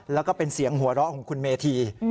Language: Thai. แล้วก็เป็นเสียงหัวเราะของคุณเมธี